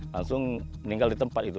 langsung meninggal di tempat itu